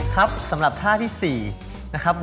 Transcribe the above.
ครับสำหรับท่าที่๔นะครับ